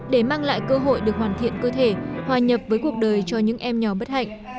để mang lại cơ hội được hoàn thiện cơ thể hòa nhập với cuộc đời cho những em nhỏ bất hạnh